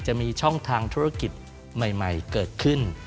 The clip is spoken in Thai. จะมีช่องทางธุรกิจใหม่เกิดขึ้น